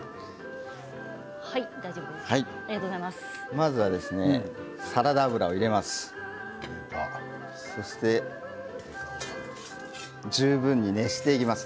まずはサラダ油を入れます。